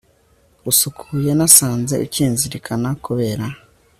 usukuye, nasanze ukinzirikana, kubera